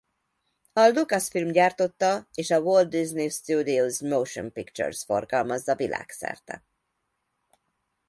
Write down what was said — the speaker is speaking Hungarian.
A Lucasfilm gyártotta és a Walt Disney Studios Motion Pictures forgalmazza világszerte.